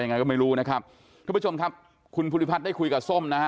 ยังไงก็ไม่รู้นะครับทุกผู้ชมครับคุณภูริพัฒน์ได้คุยกับส้มนะฮะ